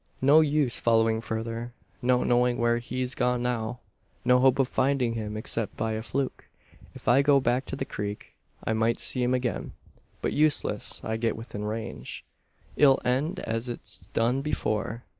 "No use following further! No knowing where he's gone now! No hope of finding him except by a fluke! If I go back to the creek I might see him again; but unless I get within range, it'll end as it's done before.